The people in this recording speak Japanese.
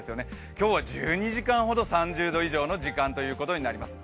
今日は１２時間ほど、３０度以上の時間ということになります。